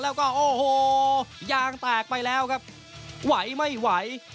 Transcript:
แล้วก็โอ้โหยางแตกไปแล้วครับไหวไม่ไหว